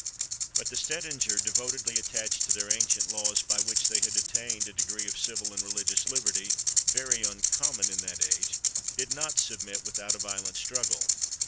But the Stedinger, devotedly attached to their ancient laws, by which they had attained a degree of civil and religious liberty very uncommon in that age, did not submit without a violent struggle.